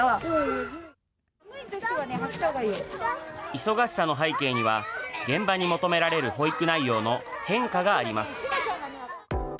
忙しさの背景には、現場に求められる保育内容の変化があります。